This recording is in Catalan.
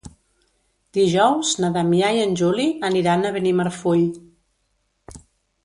Dijous na Damià i en Juli aniran a Benimarfull.